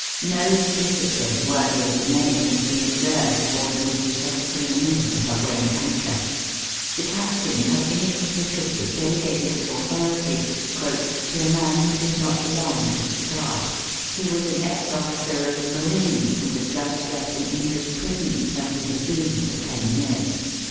No discipline worthy of the name had been observed aboard the Medusa from the minute of her weighing anchor. The captain had inexplicablydelegated his authority " to a man who did not belong to the staff. He was an ex officer of the marine, who had just left an English prison, where he had been for ten years."